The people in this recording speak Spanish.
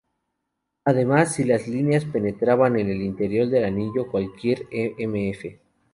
Además, si las líneas penetraban en el interior del anillo cualquier e.m.f.